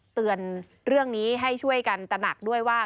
เตือนเรื่องนี้ให้ช่วยกันตระหนักด้วยว่า